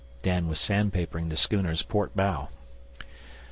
Dan was sandpapering the schooner's port bow.